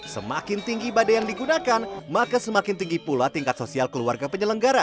semakin tinggi badai yang digunakan maka semakin tinggi pula tingkat sosial keluarga penyelenggara